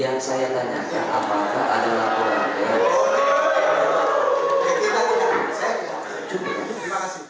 yang saya tanyakan apakah ada laporan